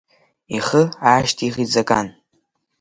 Ихы аашьҭихит Закан.